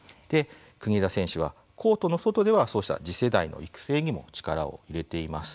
国枝選手はコートの外ではそうした次世代の育成にも力を入れています。